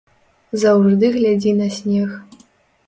Заўжды глядзі на снег.